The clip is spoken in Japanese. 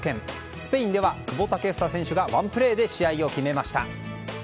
スペインでは、久保建英選手がワンプレーで試合を決めました。